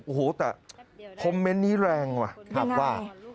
โอ้โหแต่คอมเมนต์นี้แรงว่ะว่า